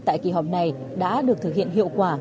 tại kỳ họp này đã được thực hiện hiệu quả